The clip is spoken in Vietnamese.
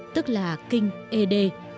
tức là kinh ed